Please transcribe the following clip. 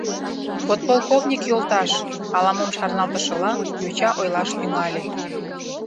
Подполковник йолташ, — ала-мом шарналтышыла, йоча ойлаш тӱҥале.